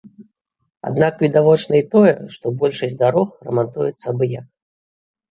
Аднак відавочна і тое, што большасць дарог рамантуецца абы-як.